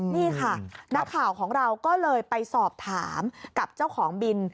นี่ค่ะนักข่าวของเราก็เลยไปสอบถามกับเจ้าของบิน